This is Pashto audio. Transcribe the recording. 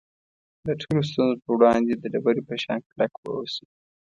د ټولو ستونزو په وړاندې د ډبرې په شان کلک واوسئ.